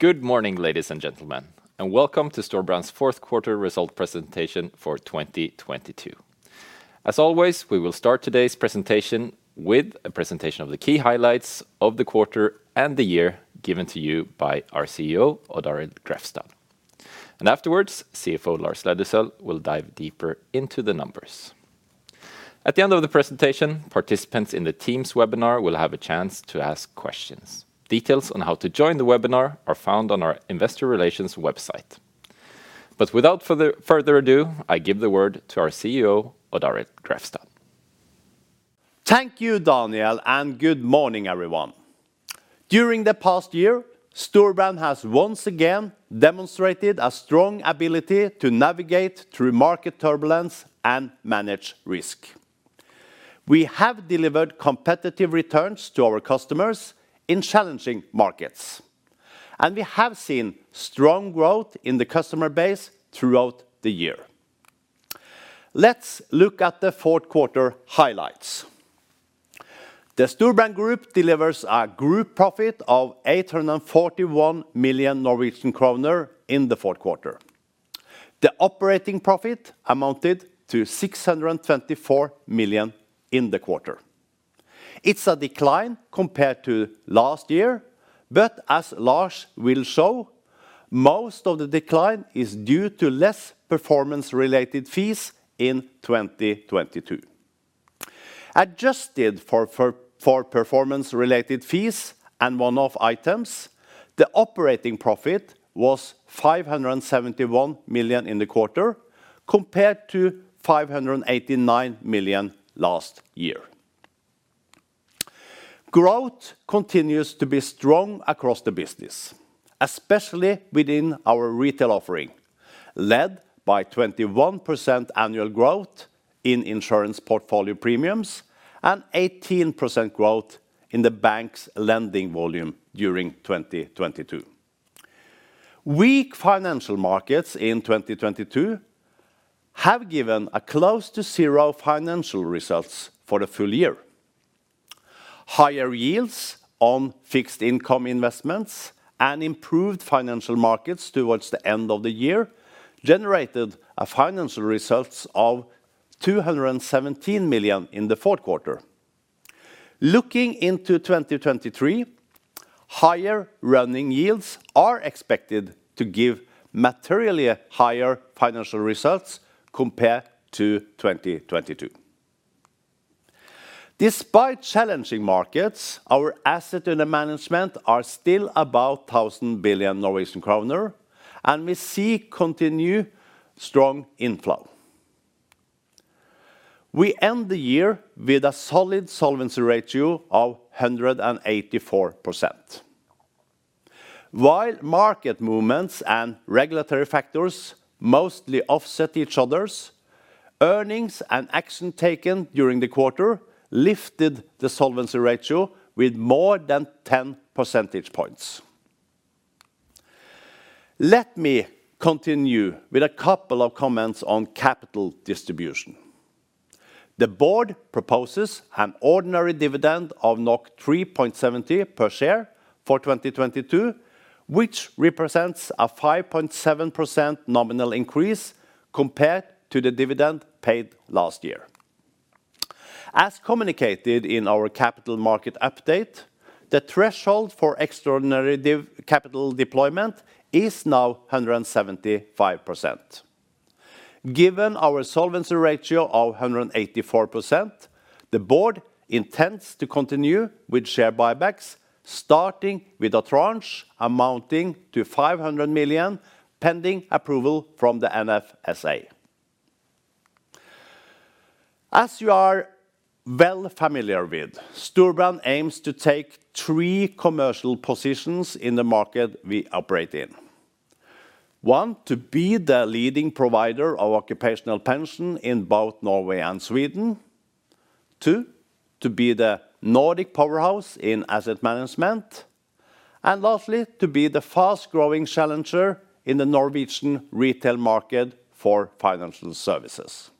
Good morning, ladies and gentlemen, and welcome to Storebrand's fourth quarter result presentation for 2022. As always, we will start today's presentation with a presentation of the key highlights of the quarter and the year given to you by our CEO, Odd Arild Grefstad. Afterwards, CFO Lars Aa. Løddesøl will dive deeper into the numbers. At the end of the presentation, participants in the Teams webinar will have a chance to ask questions. Details on how to join the webinar are found on our investor relations website. Without further ado, I give the word to our CEO, Odd Arild Grefstad. Thank you, Daniel. Good morning, everyone. During the past year, Storebrand has once again demonstrated a strong ability to navigate through market turbulence and manage risk. We have delivered competitive returns to our customers in challenging markets. We have seen strong growth in the customer base throughout the year. Let's look at the fourth quarter highlights. The Storebrand Group delivers a group profit of 841 million Norwegian kroner in the fourth quarter. The operating profit amounted to 624 million in the quarter. It's a decline compared to last year, but as Lars will show, most of the decline is due to less performance-related fees in 2022. Adjusted for performance-related fees and one-off items, the operating profit was 571 million in the quarter compared to 589 million last year. Growth continues to be strong across the business, especially within our retail offering, led by 21% annual growth in insurance portfolio premiums and 18% growth in the bank's lending volume during 2022. Weak financial markets in 2022 have given a close to zero financial results for the full year. Higher yields on fixed income investments and improved financial markets towards the end of the year generated a financial results of 217 million in the fourth quarter. Looking into 2023, higher running yields are expected to give materially higher financial results compared to 2022. Despite challenging markets, our asset under management are still about 1,000 billion Norwegian kroner, and we see continued strong inflow. We end the year with a solid solvency ratio of 184%. While market movements and regulatory factors mostly offset each others, earnings and action taken during the quarter lifted the solvency ratio with more than 10 percentage points. Let me continue with a couple of comments on capital distribution. The board proposes an ordinary dividend of 3.70 per share for 2022, which represents a 5.7% nominal increase compared to the dividend paid last year. As communicated in our capital market update, the threshold for extraordinary capital deployment is now 175%. Given our solvency ratio of 184%, the board intends to continue with share buybacks, starting with a tranche amounting to 500 million pending approval from the NFSA. As you are well familiar with, Storebrand aims to take three commercial positions in the market we operate in. 1, to be the leading provider of occupational pension in both Norway and Sweden. 2, to be the Nordic powerhouse in asset management. Lastly, to be the fast growing challenger in the Norwegian retail market for financial services.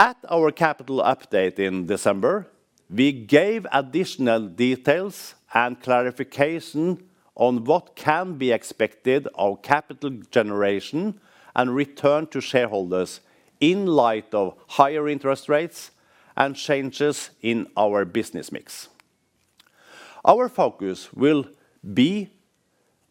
At our capital update in December, we gave additional details and clarification on what can be expected of capital generation and return to shareholders in light of higher interest rates and changes in our business mix. Our focus will be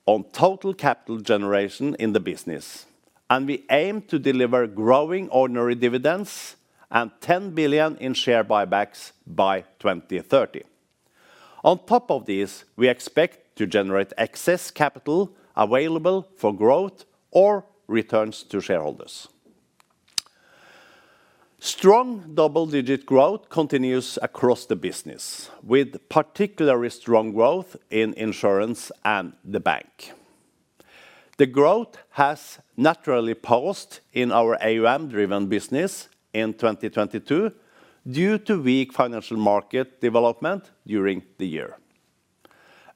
on total capital generation in the business, and we aim to deliver growing ordinary dividends and 10 billion in share buybacks by 2030. On top of this, we expect to generate excess capital available for growth or returns to shareholders. Strong double-digit growth continues across the business with particularly strong growth in insurance and the bank. The growth has naturally paused in our AUM driven business in 2022 due to weak financial market development during the year.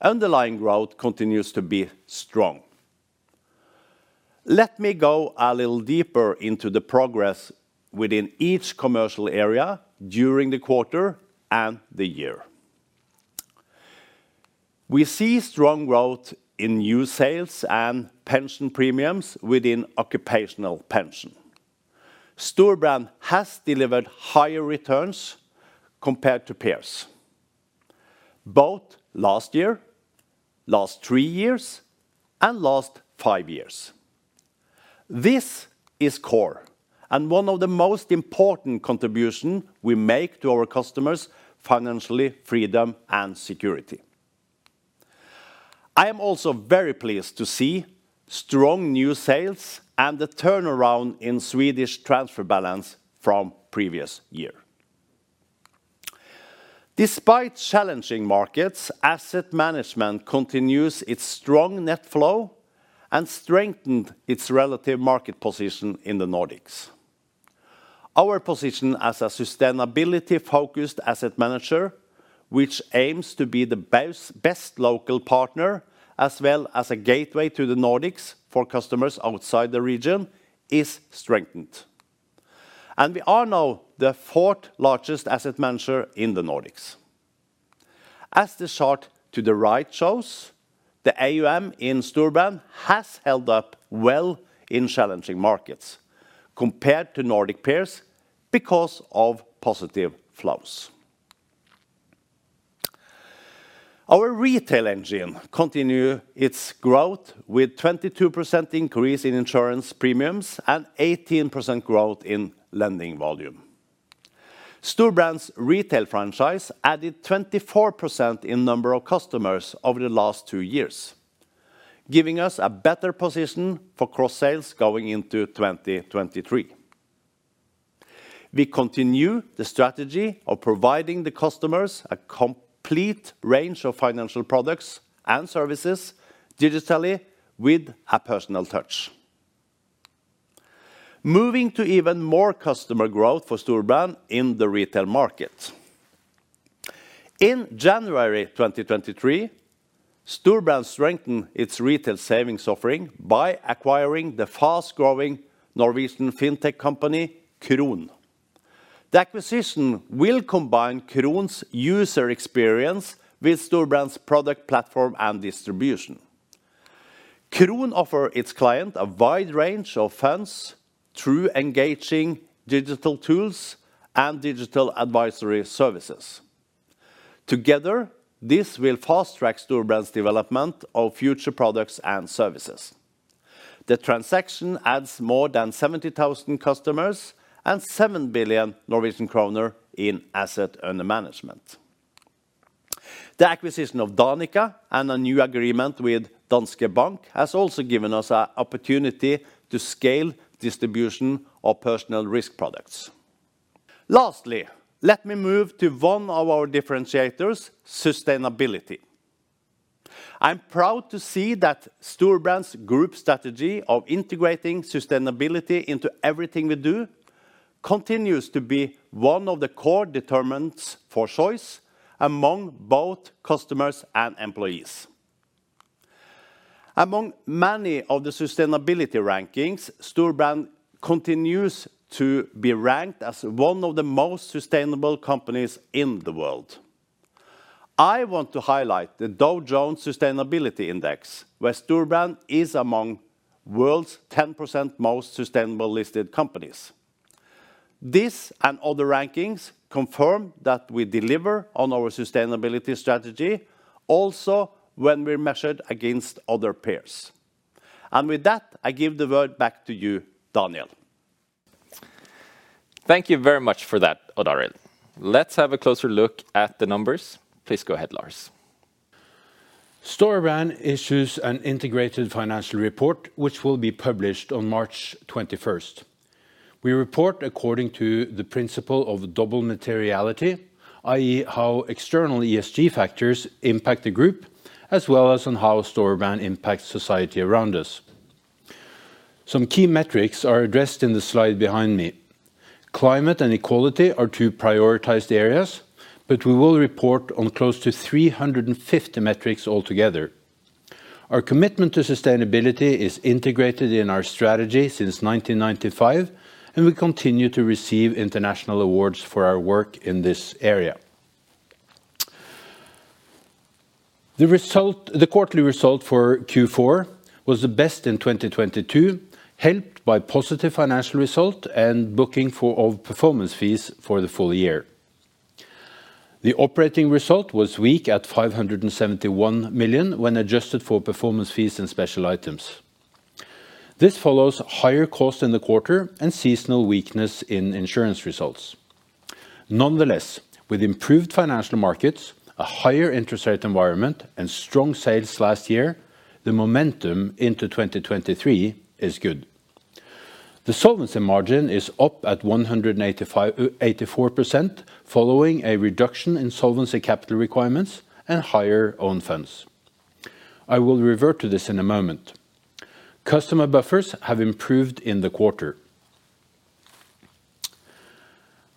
Underlying growth continues to be strong. Let me go a little deeper into the progress within each commercial area during the quarter and the year. We see strong growth in new sales and pension premiums within occupational pension. Storebrand has delivered higher returns compared to peers both last year, last three years, and last five years. This is core and one of the most important contribution we make to our customers' financially freedom and security. I am also very pleased to see strong new sales and the turnaround in Swedish transfer balance from previous year. Despite challenging markets, asset management continues its strong net flow and strengthened its relative market position in the Nordics. Our position as a sustainability-focused asset manager, which aims to be the best local partner, as well as a gateway to the Nordics for customers outside the region, is strengthened. We are now the fourth largest asset manager in the Nordics. As the chart to the right shows, the AUM in Storebrand has held up well in challenging markets compared to Nordic peers because of positive flows. Our retail engine continue its growth with 22% increase in insurance premiums and 18% growth in lending volume. Storebrand's retail franchise added 24% in number of customers over the last 2 years, giving us a better position for cross-sales going into 2023. We continue the strategy of providing the customers a complete range of financial products and services digitally with a personal touch. Moving to even more customer growth for Storebrand in the retail market. In January 2023, Storebrand strengthened its retail savings offering by acquiring the fast growing Norwegian fintech company, Kron. The acquisition will combine Kron's user experience with Storebrand's product platform and distribution. Kron offer its client a wide range of funds through engaging digital tools and digital advisory services. Together, this will fast track Storebrand's development of future products and services. The transaction adds more than 70,000 customers and 7 billion Norwegian kroner in asset under management. The acquisition of Danica and a new agreement with Danske Bank has also given us a opportunity to scale distribution of personal risk products. Lastly, let me move to one of our differentiators, sustainability. I'm proud to see that Storebrand's group strategy of integrating sustainability into everything we do continues to be one of the core determinants for choice among both customers and employees. Among many of the sustainability rankings, Storebrand continues to be ranked as one of the most sustainable companies in the world. I want to highlight the Dow Jones Sustainability Indices, where Storebrand is among world's 10% most sustainable listed companies. This and other rankings confirm that we deliver on our sustainability strategy, also when we're measured against other peers. With that, I give the word back to you, Daniel. Thank you very much for that, Odd Arild. Let's have a closer look at the numbers. Please go ahead, Lars. Storebrand issues an integrated financial report, which will be published on March 21st. We report according to the principle of double materiality, i.e., how external ESG factors impact the group, as well as on how Storebrand impacts society around us. Some key metrics are addressed in the slide behind me. Climate and equality are two prioritized areas. We will report on close to 350 metrics altogether. Our commitment to sustainability is integrated in our strategy since 1995. We continue to receive international awards for our work in this area. The quarterly result for Q4 was the best in 2022, helped by positive financial result and booking of performance fees for the full year. The operating result was weak at 571 million when adjusted for performance fees and special items. This follows higher cost in the quarter and seasonal weakness in insurance results. With improved financial markets, a higher interest rate environment, and strong sales last year, the momentum into 2023 is good. The solvency margin is up at 184% following a reduction in solvency capital requirements and higher own funds. I will revert to this in a moment. Customer buffers have improved in the quarter.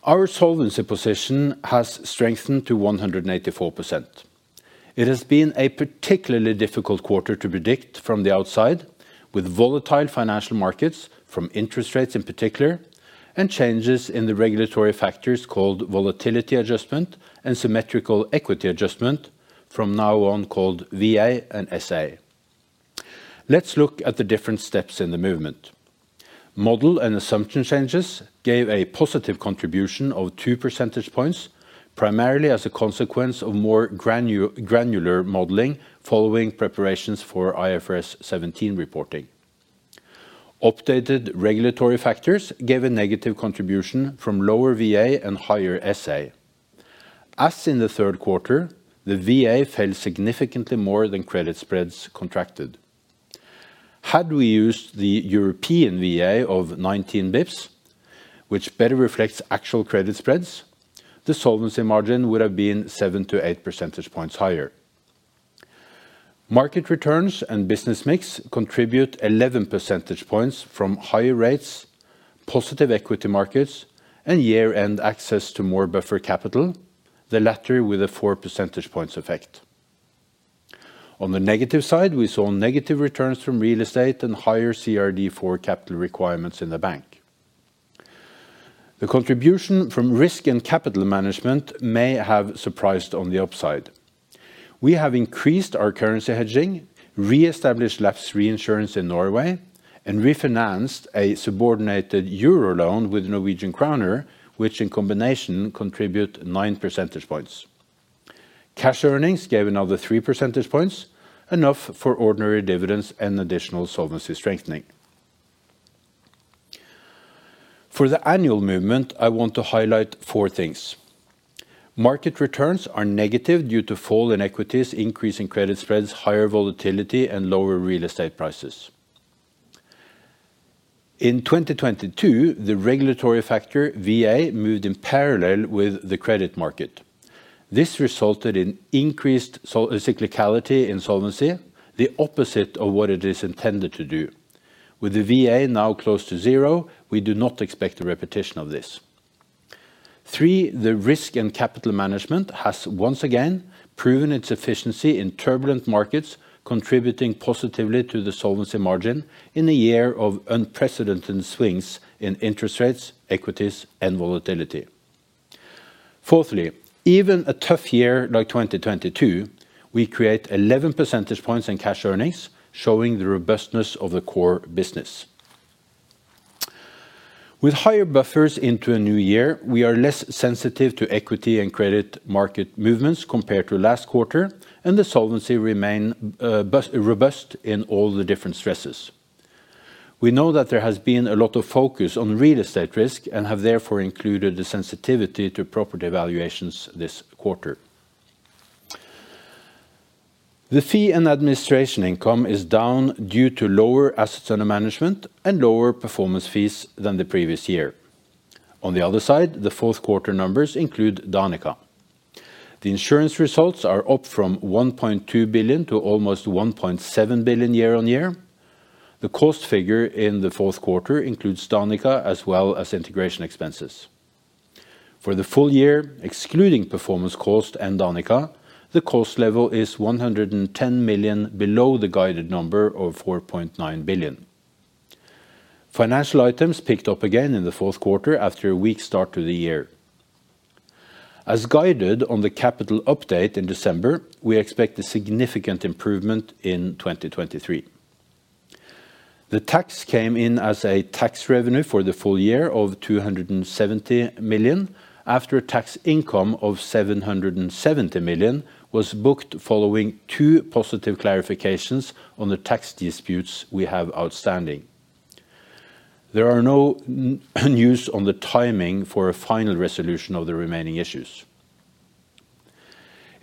Our solvency position has strengthened to 184%. It has been a particularly difficult quarter to predict from the outside, with volatile financial markets from interest rates in particular, and changes in the regulatory factors called volatility adjustment and symmetric equity adjustment from now on called VA and SA. Let's look at the different steps in the movement. Model and assumption changes gave a positive contribution of 2 percentage points, primarily as a consequence of more granular modeling following preparations for IFRS 17 reporting. Updated regulatory factors gave a negative contribution from lower VA and higher SA. As in the third quarter, the VA fell significantly more than credit spreads contracted. Had we used the European VA of 19 basis points, which better reflects actual credit spreads, the solvency margin would have been 7-8 percentage points higher. Market returns and business mix contribute 11 percentage points from higher rates, positive equity markets, and year-end access to more buffer capital, the latter with a 4 percentage points effect. On the negative side, we saw negative returns from real estate and higher CRD IV capital requirements in the bank. The contribution from risk and capital management may have surprised on the upside. We have increased our currency hedging, reestablished lapse reinsurance in Norway, refinanced a subordinated euro loan with Norwegian kroner, which in combination contribute 9 percentage points. Cash earnings gave another 3 percentage points, enough for ordinary dividends and additional solvency strengthening. For the annual movement, I want to highlight 4 things. Market returns are negative due to fall in equities, increase in credit spreads, higher volatility, and lower real estate prices. In 2022, the regulatory factor, VA, moved in parallel with the credit market. This resulted in increased cyclicality insolvency, the opposite of what it is intended to do. With the VA now close to zero, we do not expect a repetition of this. Three, the risk and capital management has once again proven its efficiency in turbulent markets, contributing positively to the solvency margin in a year of unprecedented swings in interest rates, equities, and volatility. Fourthly, even a tough year like 2022, we create 11 percentage points in cash earnings, showing the robustness of the core business. With higher buffers into a new year, we are less sensitive to equity and credit market movements compared to last quarter, and the solvency remain robust in all the different stresses. We know that there has been a lot of focus on real estate risk and have therefore included the sensitivity to property valuations this quarter. The fee and administration income is down due to lower assets under management and lower performance fees than the previous year. On the other side, the fourth quarter numbers include Danica. The insurance results are up from 1.2 billion to almost 1.7 billion year-on-year. The cost figure in the fourth quarter includes Danica as well as integration expenses. For the full year, excluding performance cost and Danica, the cost level is 110 million below the guided number of 4.9 billion. Financial items picked up again in the fourth quarter after a weak start to the year. As guided on the capital update in December, we expect a significant improvement in 2023. The tax came in as a tax revenue for the full year of 270 million after a tax income of 770 million was booked following two positive clarifications on the tax disputes we have outstanding. There are no news on the timing for a final resolution of the remaining issues.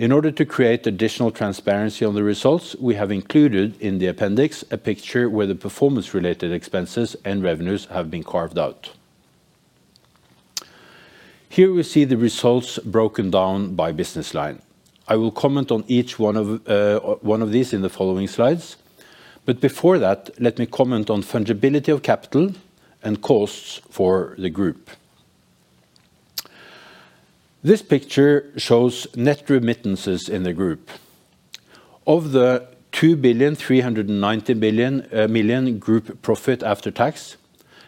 In order to create additional transparency on the results, we have included in the appendix a picture where the performance related expenses and revenues have been carved out. Here we see the results broken down by business line. I will comment on each one of one of these in the following slides. Before that, let me comment on fungibility of capital and costs for the group. This picture shows net remittances in the group. Of the 2 billion 390 billion million group profit after tax,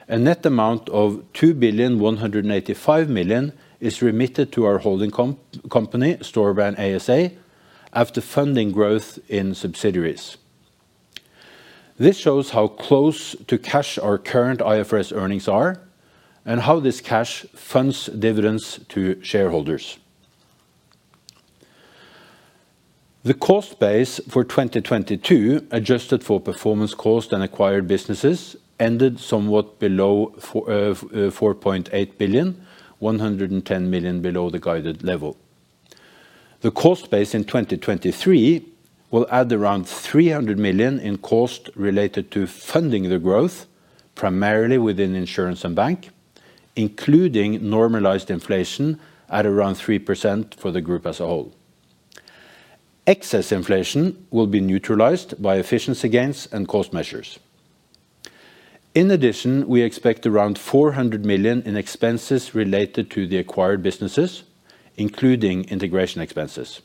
a net amount of 2 billion 185 million is remitted to our holding company, Storebrand ASA, after funding growth in subsidiaries. This shows how close to cash our current IFRS earnings are and how this cash funds dividends to shareholders. The cost base for 2022, adjusted for performance cost and acquired businesses, ended somewhat below 4.8 billion, 110 million below the guided level. The cost base in 2023 will add around 300 million in cost related to funding the growth, primarily within insurance and bank, including normalized inflation at around 3% for the group as a whole. Excess inflation will be neutralized by efficiency gains and cost measures. In addition, we expect around 400 million in expenses related to the acquired businesses, including integration expenses.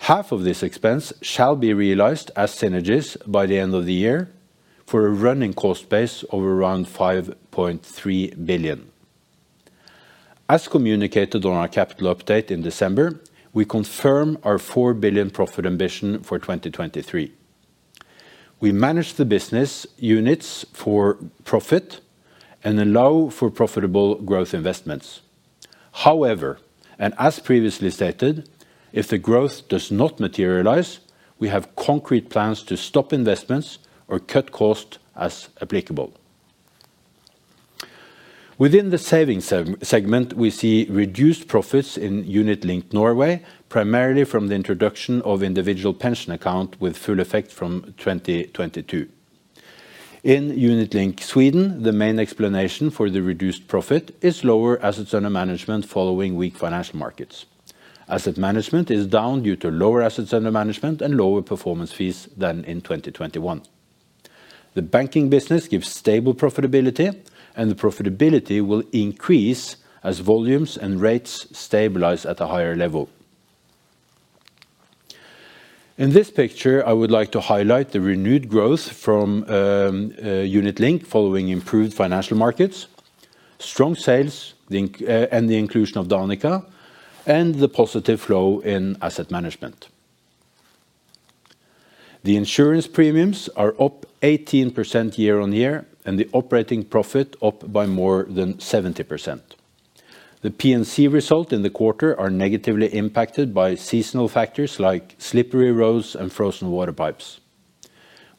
Half of this expense shall be realized as synergies by the end of the year for a running cost base of around 5.3 billion. As communicated on our capital update in December, we confirm our 4 billion profit ambition for 2023. We manage the business units for profit and allow for profitable growth investments. However, as previously stated, if the growth does not materialize, we have concrete plans to stop investments or cut costs as applicable. Within the savings segment, we see reduced profits in Unit Linked Norway, primarily from the introduction of individual pension account with full effect from 2022. In Unit Linked Sweden, the main explanation for the reduced profit is lower assets under management following weak financial markets. Asset management is down due to lower assets under management and lower performance fees than in 2021. The banking business gives stable profitability, and the profitability will increase as volumes and rates stabilize at a higher level. In this picture, I would like to highlight the renewed growth from Unit Linked following improved financial markets, strong sales, the inclusion of Danica, and the positive flow in asset management. The insurance premiums are up 18% year-on-year and the operating profit up by more than 70%. The P&C result in the quarter are negatively impacted by seasonal factors like slippery roads and frozen water pipes.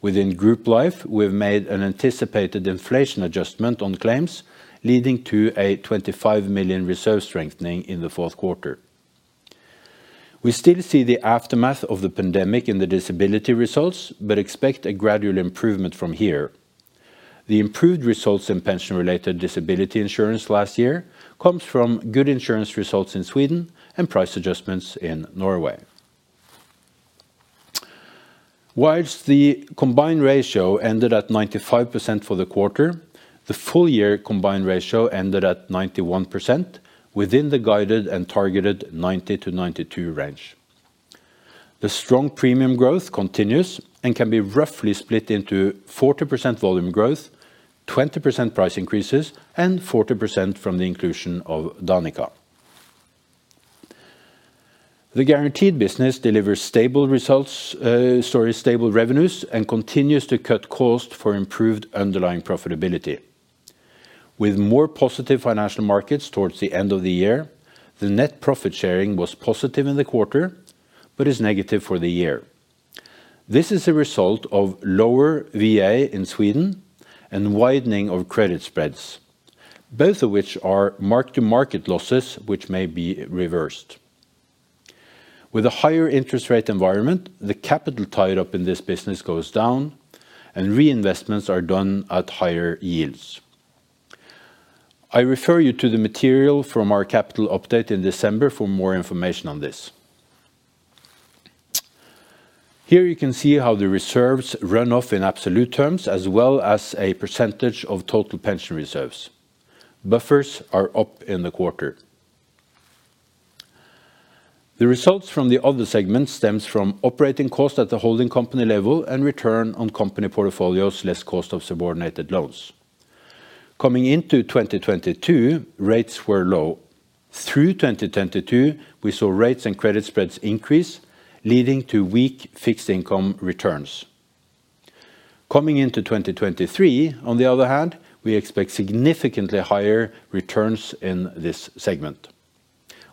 Within Group Life, we've made an anticipated inflation adjustment on claims, leading to a 25 million reserve strengthening in the fourth quarter. We still see the aftermath of the pandemic in the disability results, but expect a gradual improvement from here. The improved results in pension-related disability insurance last year comes from good insurance results in Sweden and price adjustments in Norway. Whilst the combined ratio ended at 95% for the quarter, the full year combined ratio ended at 91% within the guided and targeted 90%-92% range. The strong premium growth continues and can be roughly split into 40% volume growth, 20% price increases, and 40% from the inclusion of Danica. The guaranteed business delivers stable results, sorry, stable revenues and continues to cut costs for improved underlying profitability. With more positive financial markets towards the end of the year, the net profit sharing was positive in the quarter, but is negative for the year. This is a result of lower VA in Sweden and widening of credit spreads, both of which are mark-to-market losses which may be reversed. With a higher interest rate environment, the capital tied up in this business goes down and reinvestments are done at higher yields. I refer you to the material from our capital update in December for more information on this. Here you can see how the reserves run off in absolute terms, as well as a % of total pension reserves. Buffers are up in the quarter. The results from the other segment stems from operating costs at the holding company level and return on company portfolios less cost of subordinated loans. Coming into 2022, rates were low. Through 2022, we saw rates and credit spreads increase, leading to weak fixed income returns. Coming into 2023, on the other hand, we expect significantly higher returns in this segment.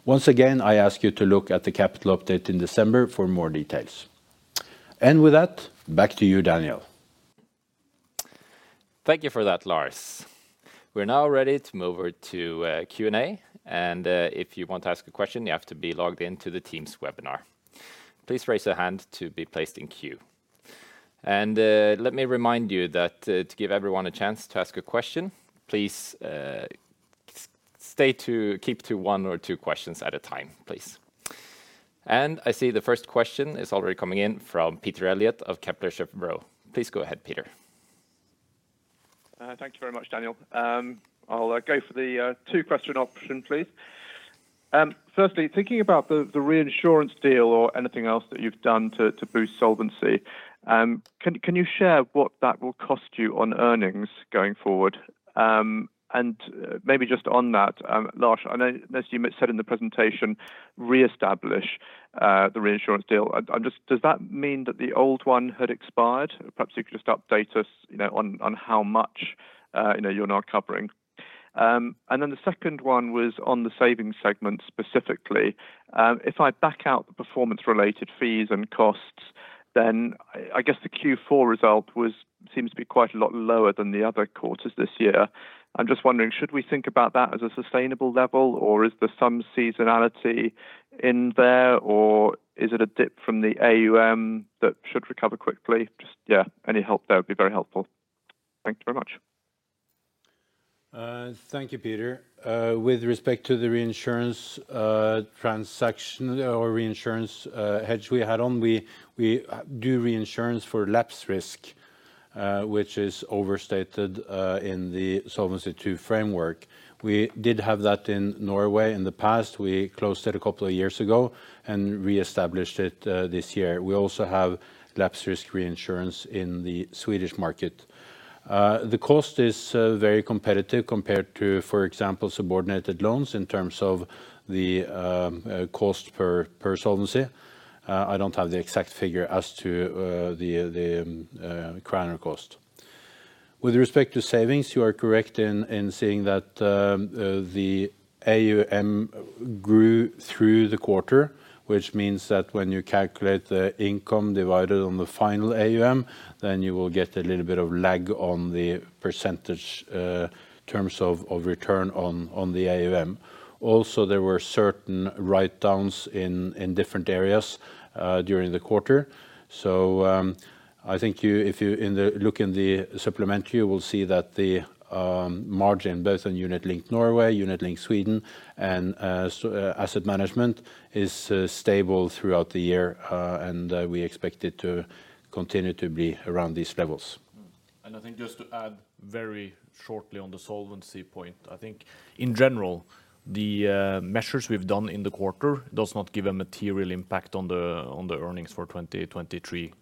Once again, I ask you to look at the capital update in December for more details. With that, back to you, Daniel. Thank you for that, Lars. We're now ready to move over to Q&A. If you want to ask a question, you have to be logged in to the Teams webinar. Please raise your hand to be placed in queue. Let me remind you that to give everyone a chance to ask a question, please keep to one or two questions at a time, please. I see the first question is already coming in from Peter Eliot of Kepler Cheuvreux. Please go ahead, Peter. Thank you very much, Daniel. I'll go for the two-question option, please. Firstly, thinking about the reinsurance deal or anything else that you've done to boost solvency, can you share what that will cost you on earnings going forward? Maybe just on that, Lars, I know as you said in the presentation, reestablish the reinsurance deal. Just does that mean that the old one had expired? Perhaps you could just update us, you know, on how much, you know, you're now covering. Then the second one was on the savings segment, specifically. If I back out the performance-related fees and costs, then I guess the Q4 result seems to be quite a lot lower than the other quarters this year. I'm just wondering, should we think about that as a sustainable level, or is there some seasonality in there, or is it a dip from the AUM that should recover quickly? Just, yeah, any help there would be very helpful. Thank you very much. Thank you, Peter. With respect to the reinsurance transaction or reinsurance hedge we had on, we do reinsurance for lapse risk, which is overstated in the Solvency II framework. We did have that in Norway in the past. We closed it a couple of years ago and reestablished it this year. We also have lapse risk reinsurance in the Swedish market. The cost is very competitive compared to, for example, subordinated loans in terms of the cost per solvency. I don't have the exact figure as to the NOK cost. With respect to savings, you are correct in saying that the AUM grew through the quarter, which means that when you calculate the income divided on the final AUM, then you will get a little bit of lag on the percentage terms of return on the AUM. Also, there were certain write-downs in different areas during the quarter. I think you If you look in the supplementary, you will see that the margin both on Unit Linked Norway, Unit Linked Sweden and asset management is stable throughout the year. And we expect it to continue to be around these levels. I think just to add very shortly on the solvency point. I think in general, the measures we've done in the quarter does not give a material impact on the earnings for 2023.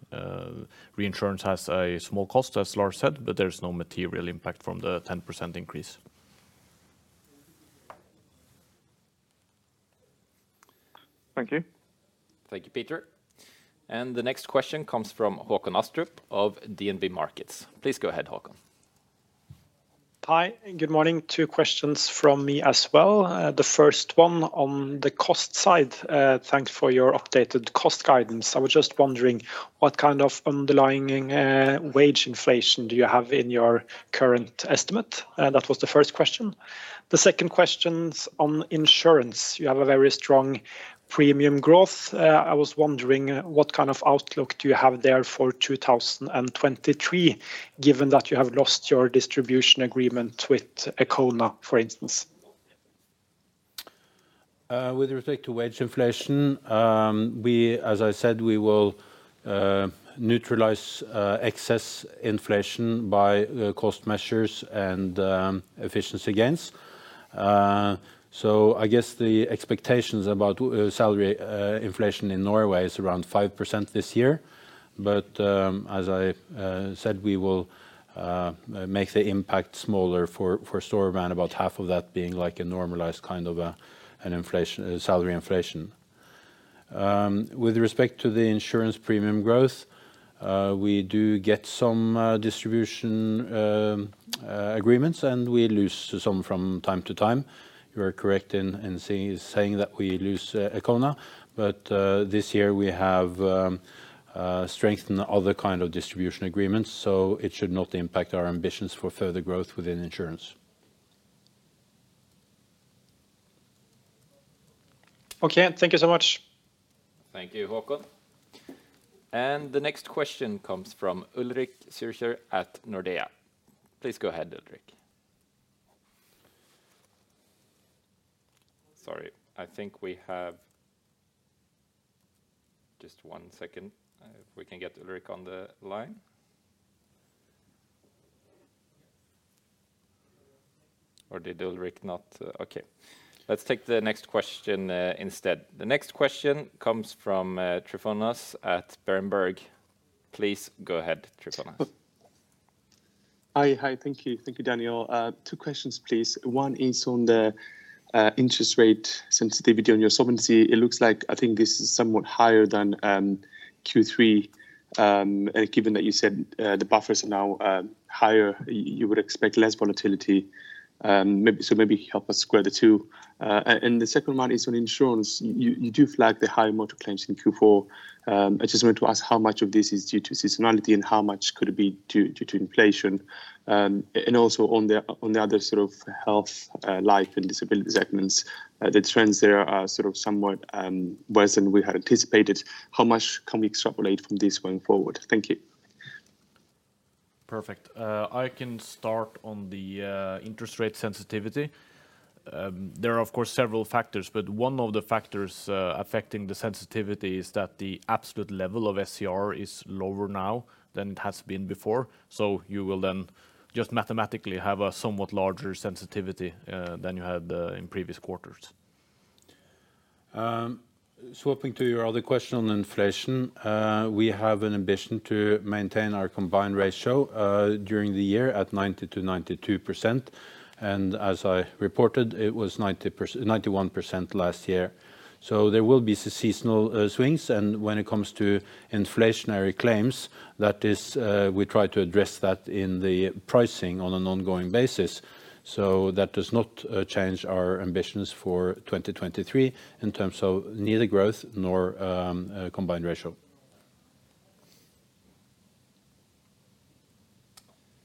Reinsurance has a small cost, as Lars said, but there's no material impact from the 10% increase. Thank you. Thank you, Peter. The next question comes from Håkon Astrup of DNB Markets. Please go ahead, Håkon. Hi, good morning. Two questions from me as well. The first one on the cost side. Thanks for your updated cost guidance. I was just wondering what kind of underlying wage inflation do you have in your current estimate? That was the first question. The second question's on insurance. You have a very strong premium growth. I was wondering what kind of outlook do you have there for 2023, given that you have lost your distribution agreement with Econa, for instance? With respect to wage inflation, we, as I said, we will neutralize excess inflation by cost measures and efficiency gains. I guess the expectations about salary inflation in Norway is around 5% this year. As I said, we will make the impact smaller for Storebrand about half of that being like a normalized kind of an inflation salary inflation. With respect to the insurance premium growth, we do get some distribution agreements, and we lose some from time to time. You are correct in saying that we lose Econa, this year we have strengthened other kind of distribution agreements, it should not impact our ambitions for further growth within insurance. Okay, thank you so much. Thank you, Håkon. The next question comes from Ulrik Zürcher at Nordea. Please go ahead, Ulrik. Sorry, I think we have. Just one second. If we can get Ulrik on the line. Or did Ulrik not. Okay, let's take the next question instead. The next question comes from Tryfonas at Berenberg. Please go ahead, Tryfonas. Hi. Hi. Thank you. Thank you, Daniel. 2 questions, please. One is on the interest rate sensitivity on your solvency. It looks like, I think this is somewhat higher than Q3. Given that you said, the buffers are now higher, you would expect less volatility. Maybe help us square the two. The second one is on insurance. You, you do flag the high motor claims in Q4. I just wanted to ask how much of this is due to seasonality and how much could it be due to inflation. Also on the, on the other sort of health, life and disability segments, the trends there are sort of somewhat worse than we had anticipated. How much can we extrapolate from this going forward? Thank you. Perfect. I can start on the interest rate sensitivity. There are, of course, several factors, but one of the factors affecting the sensitivity is that the absolute level of SCR is lower now than it has been before. You will then just mathematically have a somewhat larger sensitivity than you had in previous quarters. Swapping to your other question on inflation. We have an ambition to maintain our combined ratio during the year at 90%-92%. As I reported, it was 91% last year. There will be seasonal swings. When it comes to inflationary claims, that is, we try to address that in the pricing on an ongoing basis. That does not change our ambitions for 2023 in terms of neither growth nor combined ratio.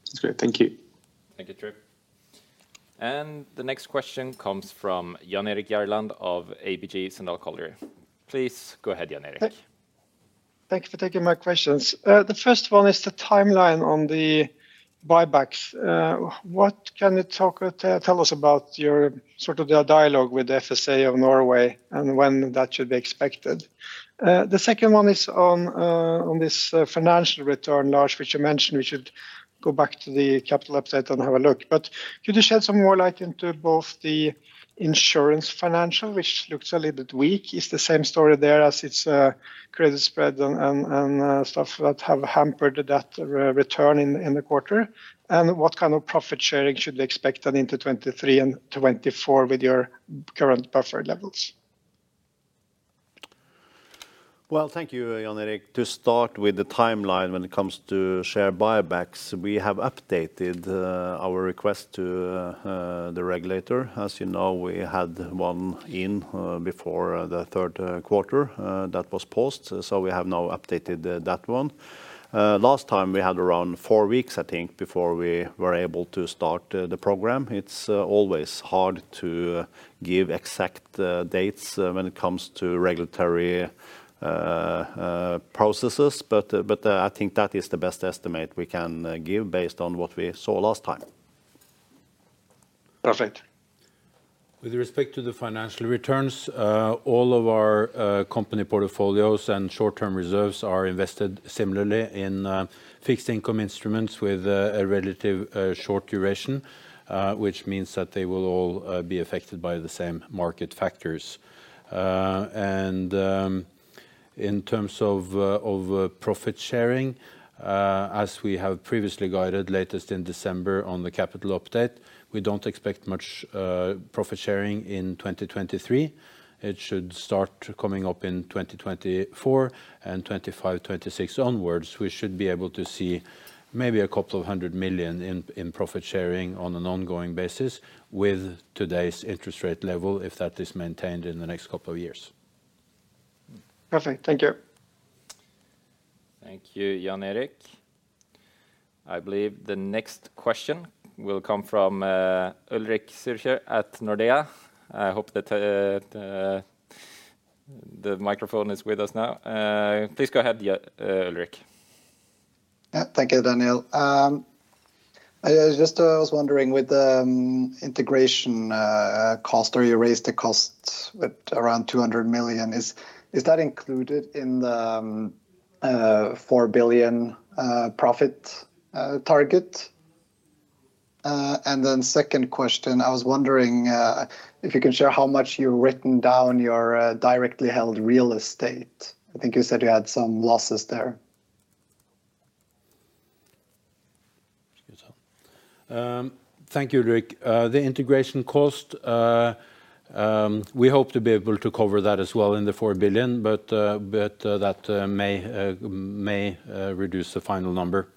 That's great. Thank you. Thank you, Tryf. The next question comes from Jan Erik Gjerland of ABG Sundal Collier. Please go ahead, Jan Erik. Thank you for taking my questions. The first one is the timeline on the buybacks. What can you tell us about your sort of the dialogue with the FSA of Norway and when that should be expected? The second one is on this, financial return, Lars, which you mentioned we should go back to the capital update and have a look. Could you shed some more light into both the insurance financial, which looks a little bit weak? It's the same story there as its, credit spread and stuff that have hampered that re-return in the quarter? What kind of profit sharing should we expect then into 2023 and 2024 with your current buffer levels? Well, thank you, Jan Erik. To start with the timeline when it comes to share buybacks, we have updated our request to the regulator. As you know, we had one in before the third quarter that was paused, so we have now updated that one. Last time we had around four weeks, I think, before we were able to start the program. It's always hard to give exact dates when it comes to regulatory processes. But, but, I think that is the best estimate we can give based on what we saw last time. Perfect. With respect to the financial returns, all of our company portfolios and short-term reserves are invested similarly in fixed income instruments with a relative short duration. Which means that they will all be affected by the same market factors. In terms of profit sharing, as we have previously guided latest in December on the capital update, we don't expect much profit sharing in 2023. It should start coming up in 2024, 2025, 2026 onwards, we should be able to see maybe NOK a couple of hundred million in profit sharing on an ongoing basis with today's interest rate level if that is maintained in the next couple of years. Perfect. Thank you. Thank you, Jan Erik. I believe the next question will come from Ulrik Zürcher at Nordea. I hope that the microphone is with us now. Please go ahead, yeah, Ulrik. Yeah. Thank you, Daniel. I just was wondering with the integration cost, you raised the cost at around 200 million. Is that included in the 4 billion profit target? Second question, I was wondering if you can share how much you've written down your directly held real estate. I think you said you had some losses there? Thank you, Ulrik. The integration cost, we hope to be able to cover that as well in the 4 billion, but that may reduce the final number.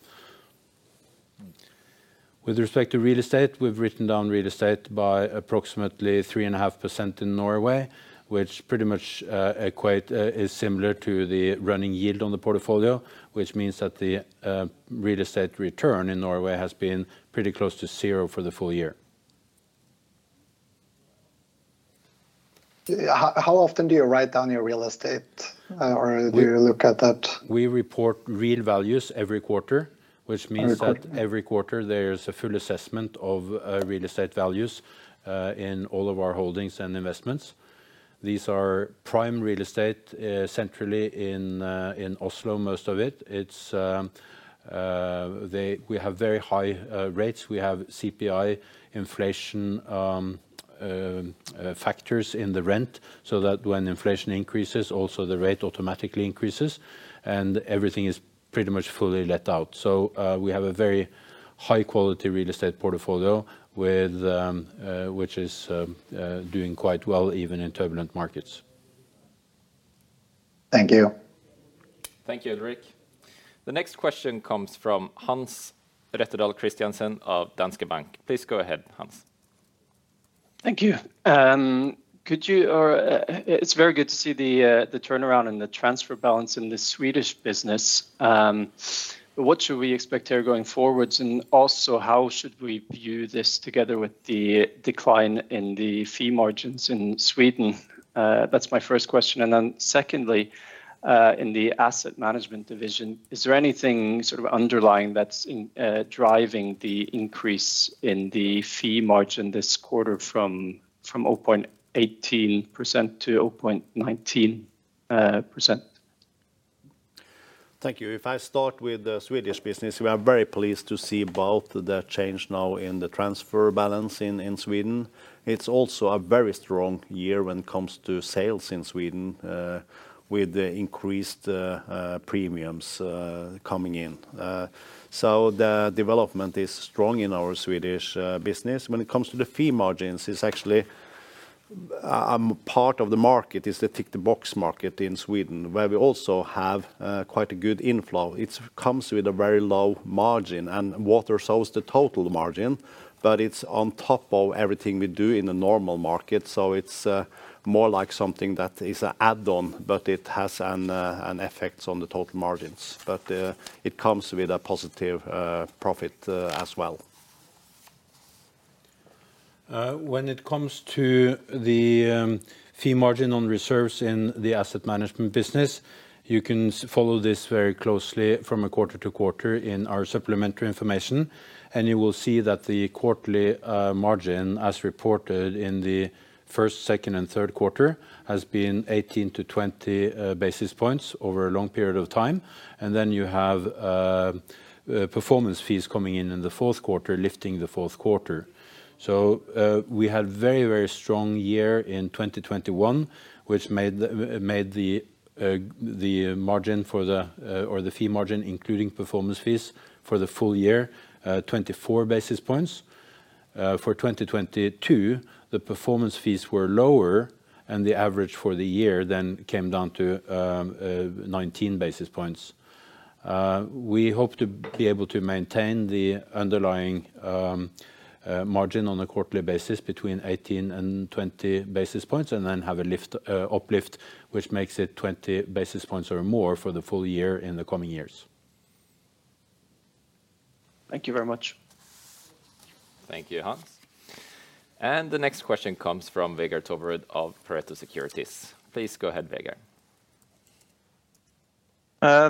With respect to real estate, we've written down real estate by approximately 3.5% in Norway, which pretty much is similar to the running yield on the portfolio, which means that the real estate return in Norway has been pretty close to zero for the full year. How often do you write down your real estate, or do you look at that? We report real values every quarter, which means. Every quarter every quarter there is a full assessment of real estate values in all of our holdings and investments. These are prime real estate, centrally in Oslo, most of it. It's. We have very high rates. We have CPI inflation factors in the rent, so that when inflation increases, also the rate automatically increases, and everything is pretty much fully let out. We have a very high quality real estate portfolio with, which is, doing quite well even in turbulent markets. Thank you. Thank you, Ulrik. The next question comes from Hans Rettedal Christiansen of Danske Bank. Please go ahead, Hans. Thank you. Could you Or it's very good to see the turnaround and the transfer balance in the Swedish business. What should we expect here going forwards? How should we view this together with the decline in the fee margins in Sweden? That's my first question. Secondly, in the asset management division, is there anything sort of underlying that's in driving the increase in the fee margin this quarter from 0.18%-0.19%, %? Thank you. If I start with the Swedish business, we are very pleased to see both the change now in the transfer balance in Sweden. It's also a very strong year when it comes to sales in Sweden, with the increased premiums coming in. The development is strong in our Swedish business. When it comes to the fee margins, it's actually part of the market is the tick-the-box market in Sweden, where we also have quite a good inflow. It's comes with a very low margin, and what resolves the total margin, but it's on top of everything we do in the normal market. It's more like something that is a add-on, but it has an effects on the total margins. It comes with a positive profit as well. When it comes to the fee margin on reserves in the asset management business, you can follow this very closely from a quarter to quarter in our supplementary information, you will see that the quarterly margin as reported in the first, second, and third quarter has been 18-20 basis points over a long period of time. You have performance fees coming in in the fourth quarter, lifting the fourth quarter. We had very, very strong year in 2021, which made the the margin for the or the fee margin, including performance fees for the full year, 24 basis points. For 2022, the performance fees were lower, the average for the year then came down to 19 basis points. We hope to be able to maintain the underlying margin on a quarterly basis between 18 and 20 basis points and then have a lift, uplift, which makes it 20 basis points or more for the full year in the coming years. Thank you very much. Thank you, Hans. The next question comes from Vegard Toverud of Pareto Securities. Please go ahead, Vegard.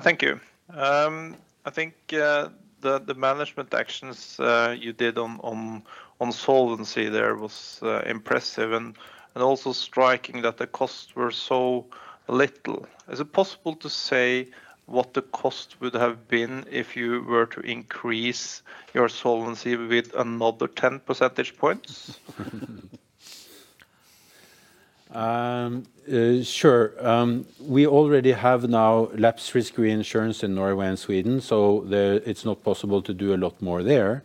Thank you. I think the management actions you did on solvency there was impressive and also striking that the costs were so little. Is it possible to say what the cost would have been if you were to increase your solvency with another 10 percentage points? We already have now lapse risk reinsurance in Norway and Sweden, it's not possible to do a lot more there.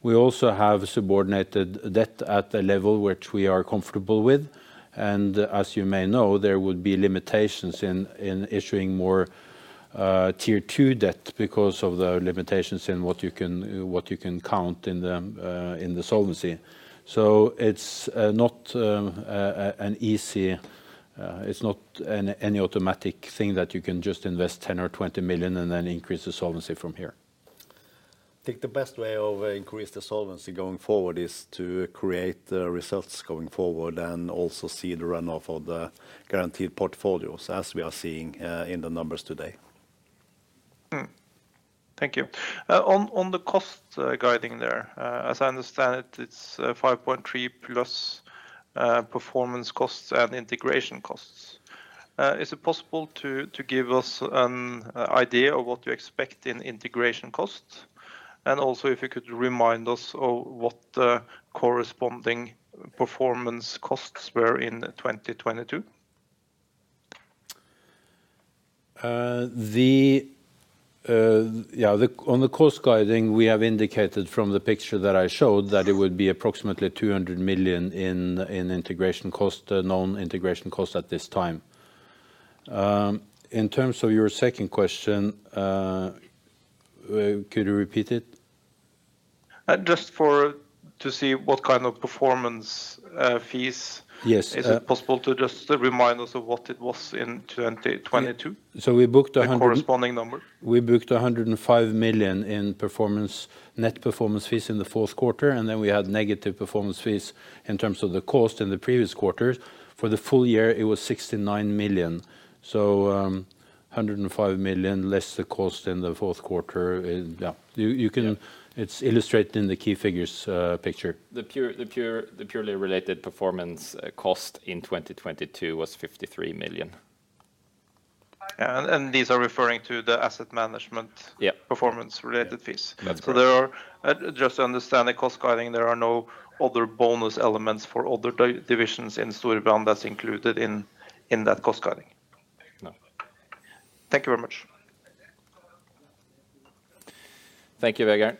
We also have subordinated debt at a level which we are comfortable with, and as you may know, there would be limitations in issuing more Tier 2 debt because of the limitations in what you can, what you can count in the solvency. It's not an easy, it's not any automatic thing that you can just invest 10 million or 20 million and then increase the solvency from here. Think the best way of increase the solvency going forward is to create the results going forward and also see the runoff of the guaranteed portfolios as we are seeing, in the numbers today. Thank you. On the cost guiding there, as I understand it's 5.3 plus performance costs and integration costs. Is it possible to give us an idea of what you expect in integration costs? Also, if you could remind us of what the corresponding performance costs were in 2022. Yeah, on the cost guiding, we have indicated from the picture that I showed that it would be approximately 200 million in integration cost, known integration cost at this time. In terms of your second question, could you repeat it? Just to see what kind of performance fees. Yes. Is it possible to just remind us of what it was in 2022? we booked a hundred- The corresponding number. We booked 105 million in performance, net performance fees in the fourth quarter. We had negative performance fees in terms of the cost in the previous quarters. For the full year, it was 69 million. 105 million less the cost in the fourth quarter is, yeah. You can- Yeah. It's illustrated in the key figures, picture. The purely related performance cost in 2022 was 53 million. Yeah, and these are referring to the asset management- Yeah... performance related fees. That's correct. There are just to understand the cost guiding, there are no other bonus elements for other divisions in Storebrand that's included in that cost guiding? No. Thank you very much. Thank you, Vegard.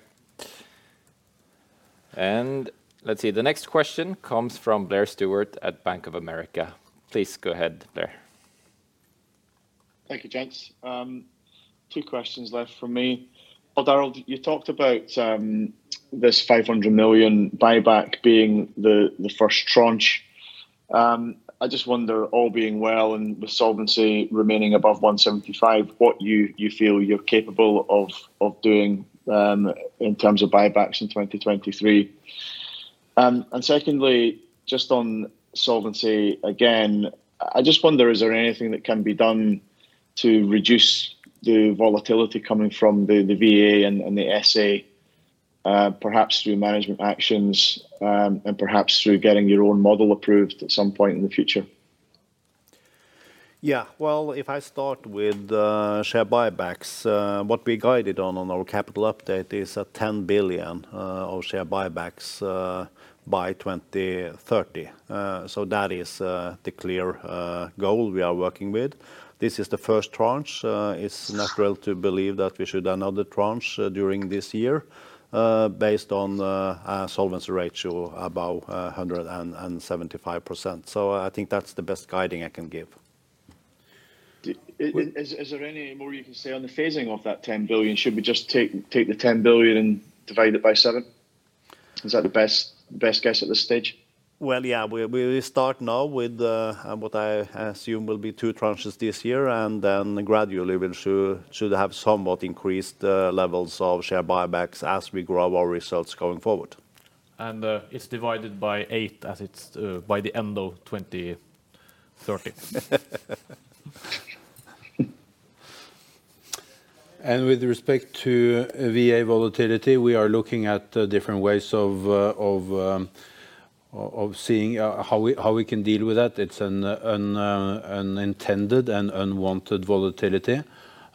Let's see. The next question comes from Blair Stewart of Bank of America. Please go ahead, Blair. Thank you, gents. Two questions left from me. Odd Arild, you talked about this 500 million buyback being the first tranche. I just wonder, all being well and with solvency remaining above 175, what you feel you're capable of doing in terms of buybacks in 2023. Secondly, just on solvency again, I just wonder, is there anything that can be done to reduce the volatility coming from the VA and the SA, perhaps through management actions, and perhaps through getting your own model approved at some point in the future? If I start with share buybacks, what we guided on on our capital update is a 10 billion of share buybacks by 2030. That is the clear goal we are working with. This is the first tranche. It's natural to believe that we should do another tranche during this year, based on our solvency ratio about 175%. I think that's the best guiding I can give. Is there any more you can say on the phasing of that 10 billion? Should we just take the 10 billion and divide it by seven? Is that the best guess at this stage? Well, yeah, we start now with what I assume will be two tranches this year, and then gradually we'll should have somewhat increased levels of share buybacks as we grow our results going forward. It's divided by eight as it's by the end of 2030. With respect to VA volatility, we are looking at different ways of seeing how we can deal with that. It's an intended and unwanted volatility.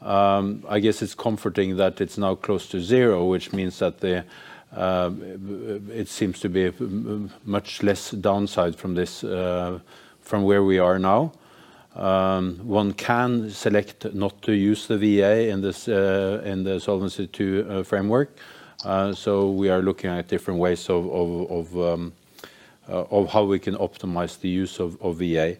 I guess it's comforting that it's now close to zero, which means that it seems to be much less downside from this, from where we are now. One can select not to use the VA in this, in the Solvency II framework, so we are looking at different ways of how we can optimize the use of VA.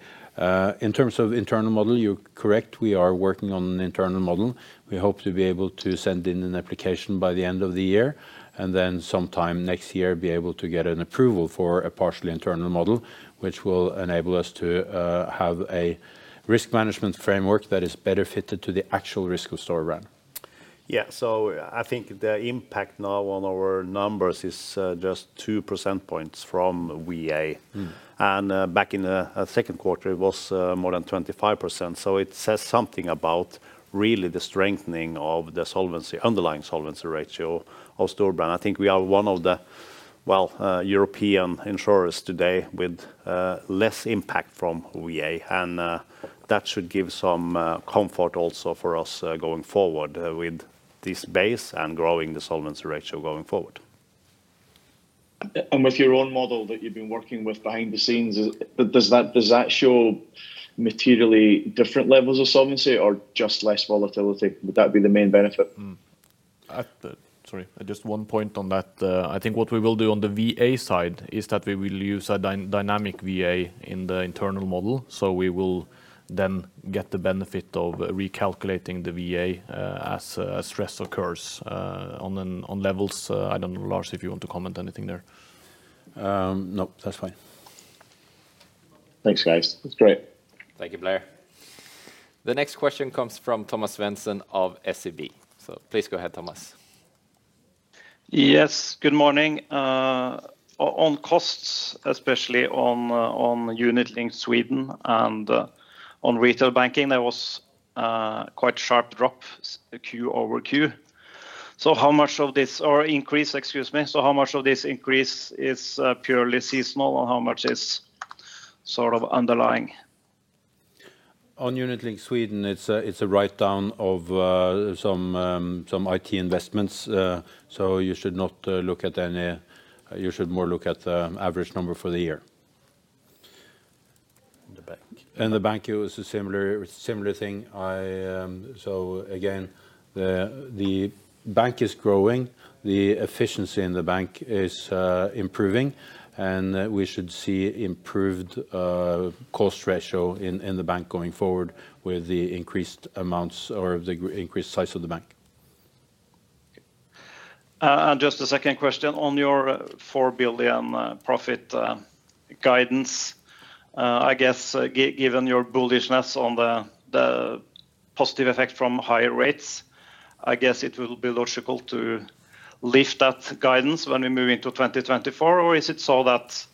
In terms of internal model, you're correct, we are working on an internal model. We hope to be able to send in an application by the end of the year, sometime next year be able to get an approval for a partially internal model, which will enable us to have a risk management framework that is better fitted to the actual risk of Storebrand. Yeah. I think the impact now on our numbers is just 2 percent points from VA. Mm. Back in the second quarter it was more than 25%, so it says something about really the strengthening of the solvency, underlying solvency ratio of Storebrand. I think we are one of the, well, European insurers today with less impact from VA, and that should give some comfort also for us going forward with this base and growing the solvency ratio going forward. With your own model that you've been working with behind the scenes, does that show materially different levels of solvency or just less volatility? Would that be the main benefit? Sorry, just one point on that. I think what we will do on the VA side is that we will use a dynamic VA in the internal model, so we will then get the benefit of recalculating the VA, as stress occurs, on levels. I don't know, Lars, if you want to comment anything there. no, that's fine. Thanks, guys. That's great. Thank you, Blair. The next question comes from Thomas Svendsen of SEB. Please go ahead, Thomas. Yes, good morning. On costs, especially on Unit Linked Sweden and on retail banking, there was quite sharp drop Q-over-Q. Or increase, excuse me. How much of this increase is purely seasonal and how much is sort of underlying? On Unit Linked Sweden, it's a write down of some IT investments. You should more look at the average number for the year. The bank. In the bank it was a similar thing. I. Again, the bank is growing, the efficiency in the bank is improving, and we should see improved cost ratio in the bank going forward with the increased amounts or the increased size of the bank. Just a second question. On your 4 billion profit guidance, I guess given your bullishness on the positive effect from higher rates, I guess it will be logical to lift that guidance when we move into 2024, or is it so that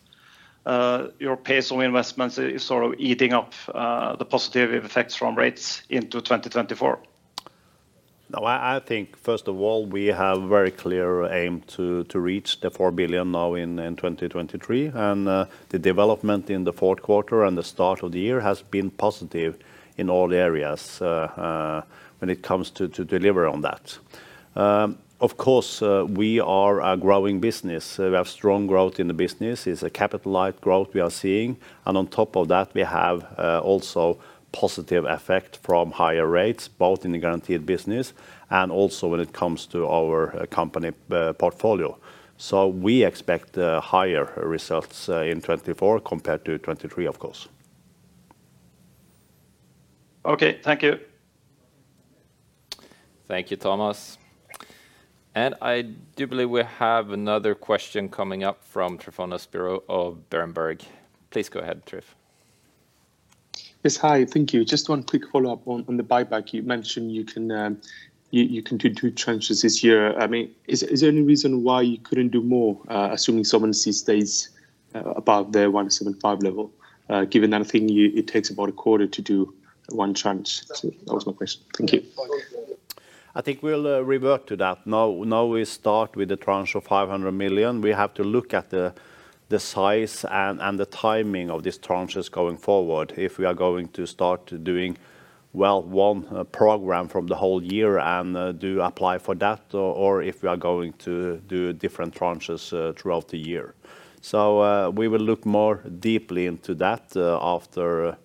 your pace of investments is sort of eating up the positive effects from rates into 2024? No, I think first of all, we have very clear aim to reach the 4 billion now in 2023, and the development in the fourth quarter and the start of the year has been positive in all areas, when it comes to deliver on that. Of course, we are a growing business. We have strong growth in the business. It's a capital-light growth we are seeing. On top of that, we have also positive effect from higher rates, both in the guaranteed business and also when it comes to our company portfolio. We expect higher results in 2024 compared to 2023, of course. Okay. Thank you. Thank you, Thomas. I do believe we have another question coming up from Tryfonas Spyrou of Berenberg. Please go ahead, Tryf. Yes. Hi. Thank you. Just one quick follow-up on the buyback. You mentioned you can do 2 tranches this year. I mean, is there any reason why you couldn't do more, assuming solvency stays above the 175 level, given that I think it takes about a quarter to do 1 tranche? That was my question. Thank you. I think we'll revert to that. Now we start with the tranche of 500 million. We have to look at the size and the timing of these tranches going forward. If we are going to start doing, well, one program from the whole year and do apply for that, or if we are going to do different tranches throughout the year. We will look more deeply into that after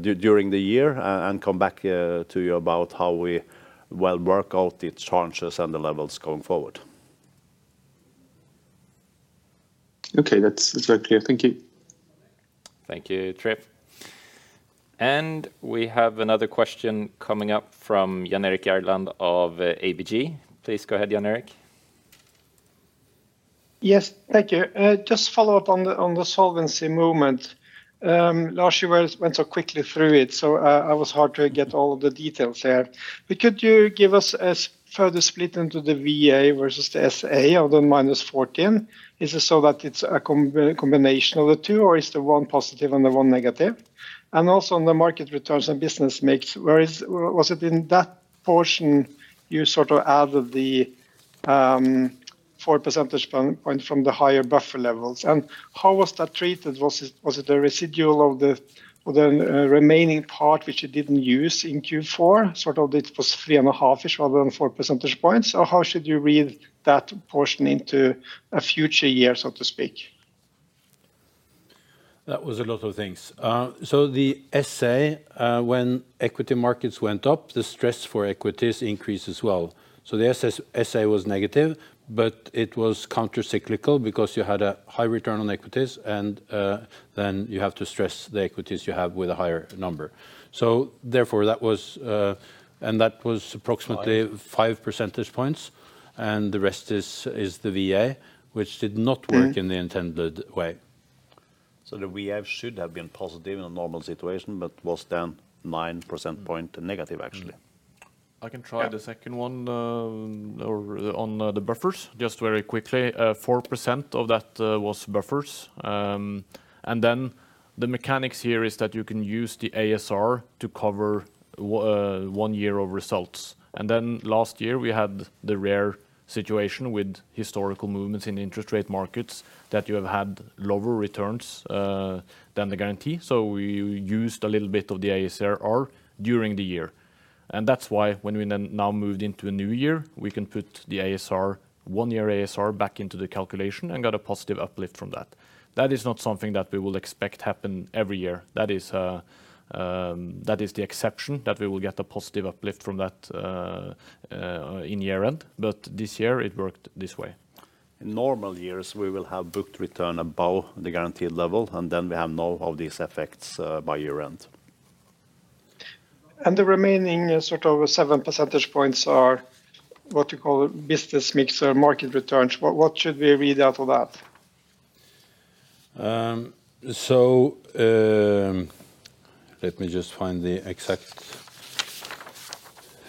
during the year and come back to you about how we, well, work out the tranches and the levels going forward. Okay. That's very clear. Thank you. Thank you, Trip. We have another question coming up from Jan Erik Gjerland of ABG. Please go ahead, Jan Erik. Yes. Thank you. Just follow up on the solvency movement. Last year went so quickly through it, so I was hard to get all of the details there. Could you give us a further split into the VA versus the SA of the minus 14? Is it so that it's a combination of the two or is the one positive and the one negative? Also on the market returns and business mix, Was it in that portion you sort of added the 4 percentage point from the higher buffer levels? How was that treated? Was it a residual of the remaining part which you didn't use in Q4, sort of it was 3 and a half-ish rather than 4 percentage points? how should you read that portion into a future year, so to speak? That was a lot of things. The SA, when equity markets went up, the stress for equities increased as well. The SA was negative, but it was countercyclical because you had a high return on equities and then you have to stress the equities you have with a higher number. Therefore that was. That was approximately five percentage points, and the rest is the VA, which did not work in the intended way. The VA should have been positive in a normal situation, but was then 9 percentage point negative, actually. Yeah. I can try the second one, or on the buffers, just very quickly. 4% of that was buffers. The mechanics here is that you can use the ASR to cover 1 year of results. Last year we had the rare situation with historical movements in interest rate markets that you have had lower returns than the guarantee. We used a little bit of the ASR during the year. That's why when we then now moved into a new year, we can put the ASR, 1 year ASR back into the calculation and got a positive uplift from that. That is not something that we will expect happen every year. That is the exception, that we will get a positive uplift from that in year-end. This year it worked this way. In normal years, we will have booked return above the guaranteed level, and then we have none of these effects, by year-end. The remaining sort of 7 percentage points are, what you call business mix market returns. What should we read out of that? Let me just find the exact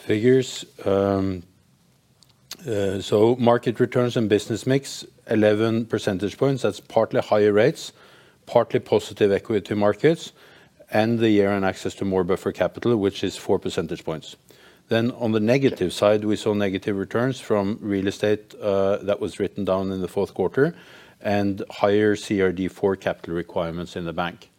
figures. Market returns and business mix, 11 percentage points. That's partly higher rates, partly positive equity markets, and the year on access to more buffer capital, which is 4 percentage points. On the negative side, we saw negative returns from real estate, that was written down in the fourth quarter and higher CRD IV capital requirements in the bank.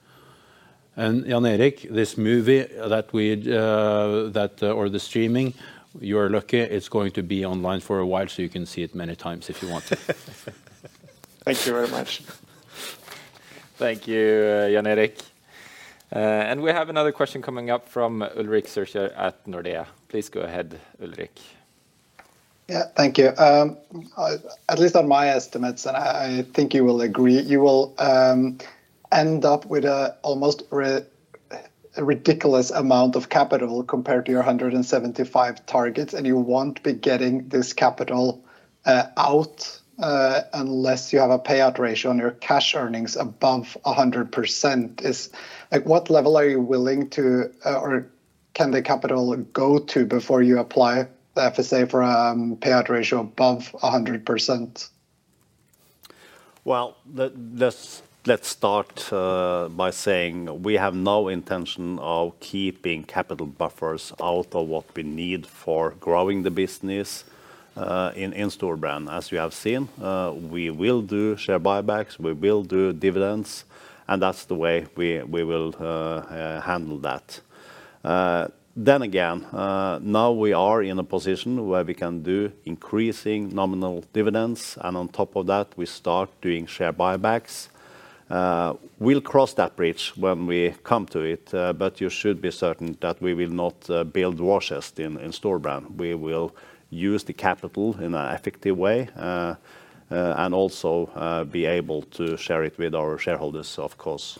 Jan Erik, this movie that we'd, that or the streaming, you're lucky it's going to be online for a while, so you can see it many times if you want to. Thank you very much. Thank you, Jan Erik. We have another question coming up from Ulrik Zürcher at Nordea. Please go ahead, Ulrik. Thank you. At least on my estimates, and I think you will agree, you will end up with almost a ridiculous amount of capital compared to your 175 targets, and you won't be getting this capital out unless you have a payout ratio on your cash earnings above 100%. Like, what level are you willing to or can the capital go to before you apply the FSA for payout ratio above 100%? Well, let's start by saying we have no intention of keeping capital buffers out of what we need for growing the business in Storebrand. As you have seen, we will do share buybacks, we will do dividends, and that's the way we will handle that. Then again, now we are in a position where we can do increasing nominal dividends, and on top of that, we start doing share buybacks. We'll cross that bridge when we come to it, but you should be certain that we will not build washes in Storebrand. We will use the capital in an effective way, and also be able to share it with our shareholders, of course.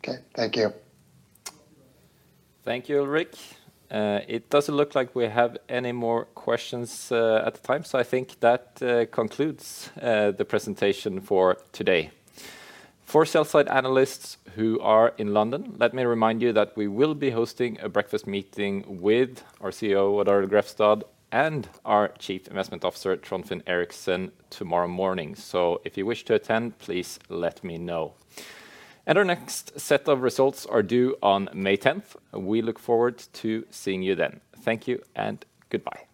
Okay. Thank you. Thank you, Ulrik. It doesn't look like we have any more questions at the time, so I think that concludes the presentation for today. For sell-side analysts who are in London, let me remind you that we will be hosting a breakfast meeting with our CEO, Odd Arild Grefstad, and our Chief Investment Officer, Trond Finn Eriksen, tomorrow morning. If you wish to attend, please let me know. Our next set of results are due on May 10th. We look forward to seeing you then. Thank you and goodbye.